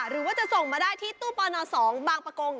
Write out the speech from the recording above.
หรือจะส่งมาได้ที่ตู้ปลาดร๒บางประกง